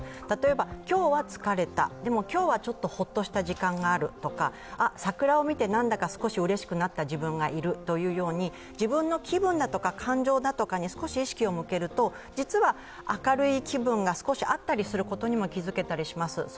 例えば今日は疲れた、でも、今日はちょっとほっとした時間があるとか桜を見てなんだか少しうれしくなった自分がいるというように、自分の気分だとか感情だとかに少し意識を向けると実は明るい気分が少しあったりすることにも気づけたりします。